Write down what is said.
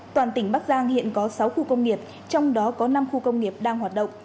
toàn tỉnh bắc giang hiện có sáu khu công nghiệp trong đó có năm khu công nghiệp đang hoạt động